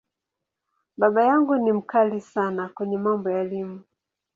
Baba yangu ni ‘mkali’ sana kwenye mambo ya Elimu.